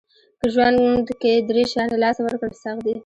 که ژوند کې درې شیان له لاسه ورکړل سخت دي.